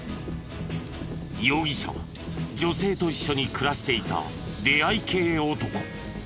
容疑者は女性と一緒に暮らしていた出会い系男。